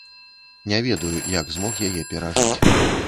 Не ведаю, як змог яе перажыць.